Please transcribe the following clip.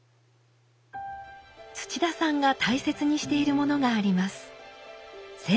土田さんが大切にしているものがあります。